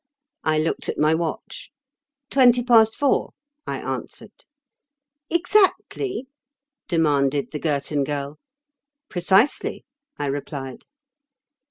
I looked at my watch. "Twenty past four," I answered. "Exactly?" demanded the Girton Girl. "Precisely," I replied.